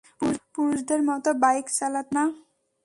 পুরুষদের মতো বাইক চালাতে পারো না?